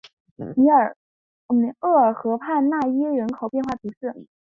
厄尔河畔讷伊人口变化图示